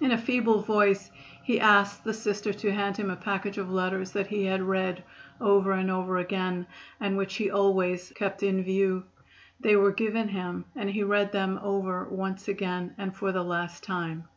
In a feeble voice he asked the Sister to hand him a package of letters that he had read over and over again, and which he always kept in view. They were given him and he read them over once again and for the last time.